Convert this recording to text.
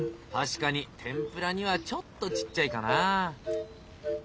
確かに天ぷらにはちょっとちっちゃいかなぁ。